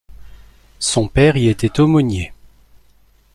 Son père y était aumônier.